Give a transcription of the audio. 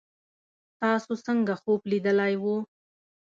تاسو څنګه خوب لیدلی وو